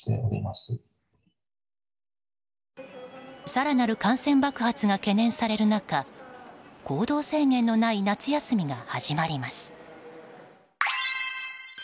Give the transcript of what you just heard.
更なる感染爆発が懸念される中行動制限のない夏休みが始まります。